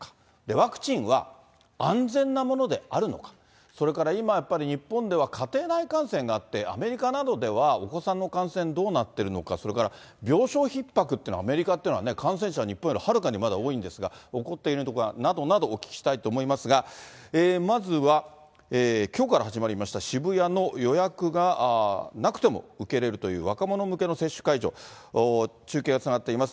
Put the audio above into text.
ワクチンは安全なものであるのか、それから今、やっぱり日本では家庭内感染があって、アメリカなどでは、お子さんの感染、どうなっているのか、それから病床ひっ迫っていうのは、アメリカっていうのは、感染者、日本よりはるかにまだ多いんですが、起こっているのかなどなど、お聞きしたいと思いますが、まずは、きょうから始まりました、渋谷の予約がなくても受けれるという若者向けの接種会場、中継がつながっています。